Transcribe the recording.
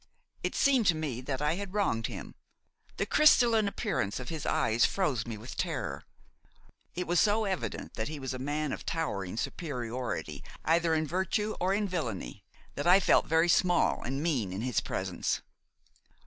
It seemed to me that I had wronged him. The crystalline appearance of his eyes froze me with terror. It was so evident that he was a man of towering superiority, either in virtue or in villainy, that I felt very small and mean in his presence.